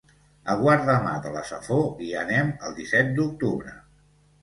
A Guardamar de la Safor hi anem el disset d'octubre.